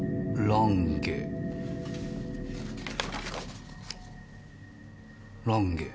「ランゲ」？